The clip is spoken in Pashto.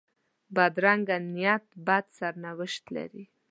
بدرنګه نیت بد سرنوشت لري